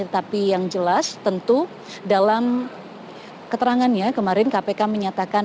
tetapi yang jelas tentu dalam keterangannya kemarin kpk menyatakan